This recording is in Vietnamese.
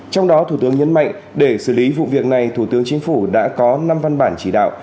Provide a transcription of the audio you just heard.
trong đó thủ tướng nhấn mạnh để xử lý vụ việc này thủ tướng chính phủ đã có năm văn bản chỉ đạo